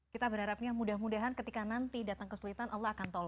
kita berharapnya mudah mudahan ketika nanti datang kesulitan allah akan tolong